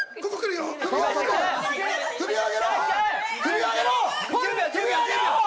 首を上げろ！